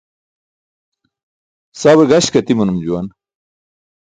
Sawe gaśk atimanum juwan.